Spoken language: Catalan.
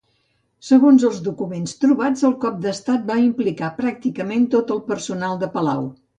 Segons els documents trobats, el cop d'estat va implicar pràcticament tot el personal de palau.